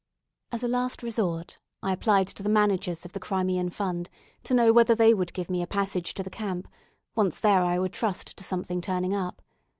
As a last resort, I applied to the managers of the Crimean Fund to know whether they would give me a passage to the camp once there I would trust to something turning up.